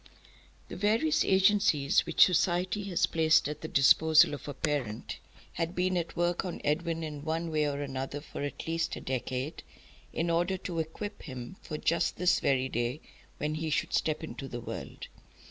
The various agencies which society has placed at the disposal of a parent had been at work on Edwin in one way or another for at least a decade, in order to equip him for just this very day when he should step into the world.